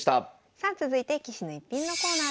さあ続いて「棋士の逸品」のコーナーです。